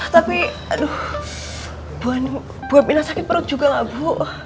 tapi aduh bu aminah sakit perut juga gak bu